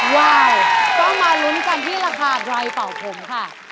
ว้าวต้องมาลุ้นกันที่ราคาดรายเป่าผมค่ะ